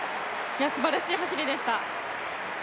すばらしい走りでした。